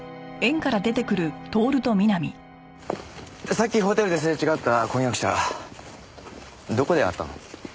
さっきホテルですれ違った婚約者どこで会ったの？